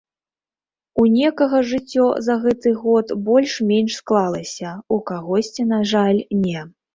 У некага жыццё за гэты год больш-менш склалася, у кагосьці, на жаль, не.